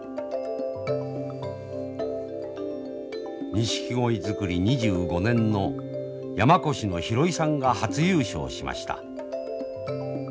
ニシキゴイ作り２５年の山古志のヒロイさんが初優勝しました。